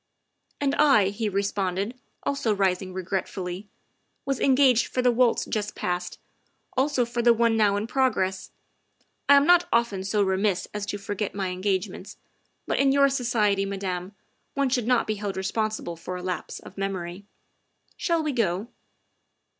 ''" And I," he responded, also rising regretfully, " was engaged for the waltz just past; also for the one now in progress. I am not often so remiss as to forget my engagements, but in your society, Madame, one should not be held responsible for a lapse of memory. Shall we go?"